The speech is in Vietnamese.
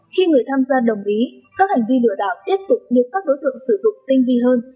khi người tham gia đồng ý các hành vi lừa đảo tiếp tục được các đối tượng sử dụng tinh vi hơn